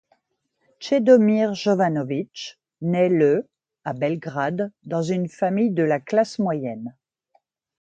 Čedomir Jovanović naît le à Belgrade dans une fammile de la classe moyenne.